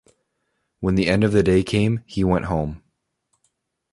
When the end of the day came, he went home.